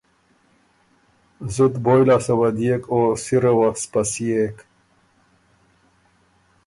زُت بویٛ لاسته وه ديېک او سِره وه سپسيېک